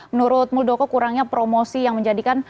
menurut muldoko kurangnya promosi yang menjadikan